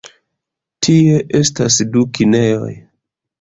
Tie estas du kinejoj.